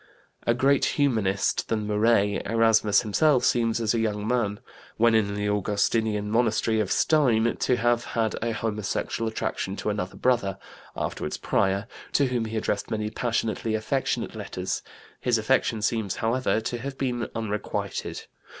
" A greater Humanist than Muret, Erasmus himself, seems as a young man, when in the Augustinian monastery of Stein, to have had a homosexual attraction to another Brother (afterward Prior) to whom he addressed many passionately affectionate letters; his affection seems, however, to have been unrequited.